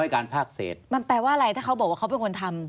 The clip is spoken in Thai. มันแปลว่าอะไรถ้าเขาบอกว่าเขาเป็นคนทำ